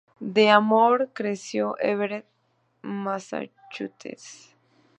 D'Amore creció en Everett, Massachusetts.